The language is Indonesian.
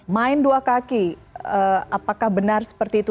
main dua kaki apakah benar seperti itu